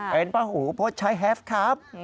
เห็นพระหูพรใช้แฮฟครับ